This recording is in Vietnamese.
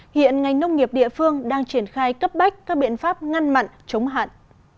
hiện ngành nông nghiệp địa phương đang triển khai cấp bách các biện pháp ngăn mặn chống hạn